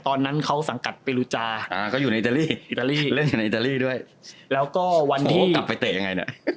ตอนนั้นเขาสังกัดเปรูจากาเขาอยู่ในอิตาลีอิตาลีเล่นอยู่ในอิตาลีด้วยแล้วก็วันนี้กลับไปเตะยังไงเนี่ย